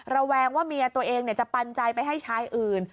ระแวงว่าเมียตัวเองจะปันใจไปให้ชายอื่น